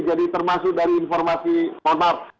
jadi termasuk dari informasi motor